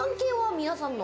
皆さんの？